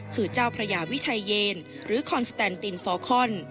คือเจ้าพระยาวิชัยเยนหรือคอนสแตนตินฟอร์คอน